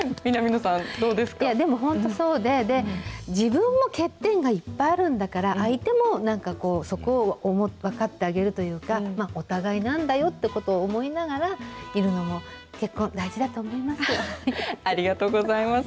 でも本当そうで、自分も欠点がいっぱいあるんだから、相手もなんか、こう、そこを分かってあげるというか、お互いなんだよってことを思いながらいるのも、結婚、ありがとうございます。